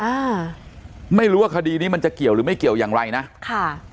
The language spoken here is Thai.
อ่าไม่รู้ว่าคดีนี้มันจะเกี่ยวหรือไม่เกี่ยวอย่างไรนะค่ะ